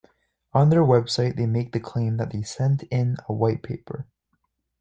On their website, they make the claim that they sent in a white paper.